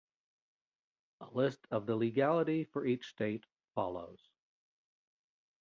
A list of the legality for each state follows.